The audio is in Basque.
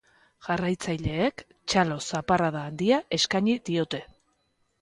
Jarraitzaileek txalo-zaparrada handia eskaini diote.